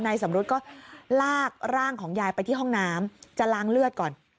สำรุษก็ลากร่างของยายไปที่ห้องน้ำจะล้างเลือดก่อน